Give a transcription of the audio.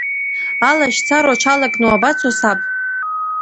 Алашьцара уҽалакны уабацо, саб?